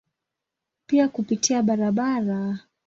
Pia kupitia barabara.